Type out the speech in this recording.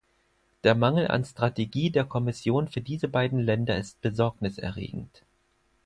Der Mangel an Strategie der Kommission für diese beiden Länder ist besorgniserregend.